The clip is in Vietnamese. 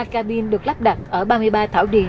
ba ca binh được lắp đặt ở ba mươi ba thảo điền